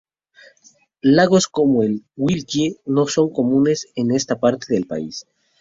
Lagos como el Wilkie no son comunes en esta parte del país.